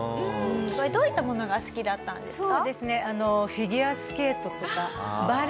これどういったものが好きだったんですか？